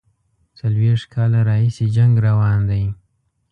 څلوېښت کاله راهیسي جنګ روان دی.